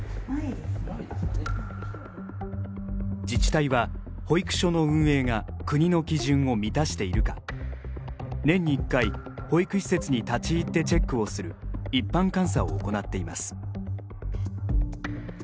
自治体は保育所の運営が国の基準を満たしているか年に一回保育施設に立ち入ってチェックをする一般監査を行っています。